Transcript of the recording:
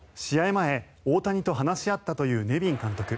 前大谷と話し合ったというネビン監督。